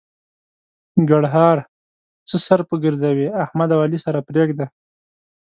ګړهار: څه سر په ګرځوې؛ احمد او علي سره پرېږده.